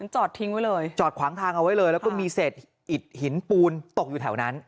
จอดทิ้งไว้เลยจอดขวางทางเอาไว้เลยแล้วก็มีเศษอิดหินปูนตกอยู่แถวนั้น